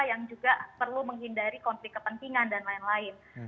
yang juga perlu menghindari konflik kepentingan dan lain lain